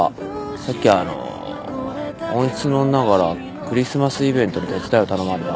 さっきあの温室の女からクリスマスイベントの手伝いを頼まれた。